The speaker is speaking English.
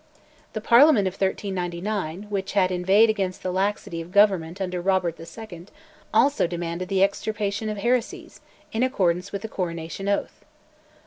The Parliament of 1399, which had inveighed against the laxity of Government under Robert II., also demanded the extirpation of heresies, in accordance with the Coronation Oath.